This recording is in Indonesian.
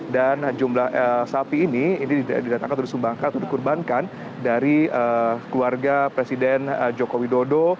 dan jumlah sapi ini didatangkan atau disumbangkan atau dikurbankan dari keluarga presiden jokowi dodo